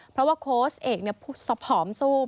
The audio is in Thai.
เพราะว่าโค้ชเอกเนี่ยสภอมสูบ